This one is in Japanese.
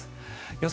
予想